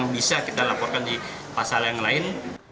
bisa kita laporkan di pasal yang lain